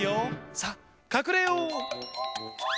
さあかくれよう！